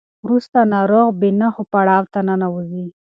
وروسته ناروغ بې نښو پړاو ته ننوځي.